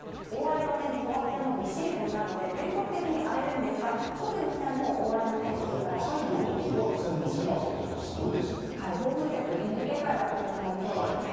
大荒れの天気、等圧線もびっしり混み合うので、全国的に荒れるんですが、特に北日本、大荒れの天気に警戒が必要です。